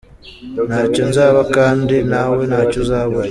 Ntacyo nzaba kdi nawe ntacyo Uzabura.